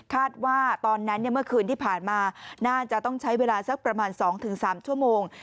ตอนนั้นเมื่อคืนที่ผ่านมาน่าจะต้องใช้เวลาสักประมาณ๒๓ชั่วโมง